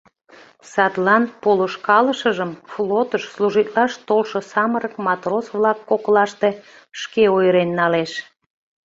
Садлан полышкалышыжым флотыш служитлаш толшо самырык матрос-влак коклаште шке ойырен налеш.